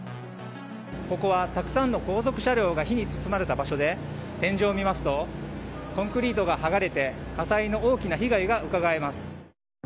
ここはたくさんの後続車両が火に包まれた場所で天井を見ますとコンクリートが剥がれて火災の大きな被害がうかがえます。